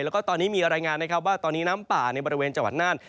แล้วก็ตอนนี้มีรายงานนะครับว่าตอนนี้น้ำป่าในบริเวณจังหวัดน่าน